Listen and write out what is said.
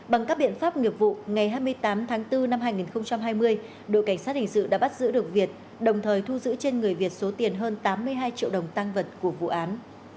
bằng các biện pháp nghiệp vụ ngày hai mươi tám tháng bốn năm hai nghìn hai mươi đội cảnh sát hình sự đã bắt giữ được việt đồng thời thu giữ trên người việt số tiền hơn tám mươi hai triệu đồng tăng vật của vụ án